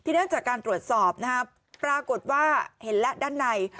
ทีนี้จากการตรวจสอบนะครับปรากฏว่าเห็นแล้วด้านใน